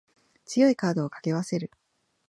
強いカードを掛け合わせる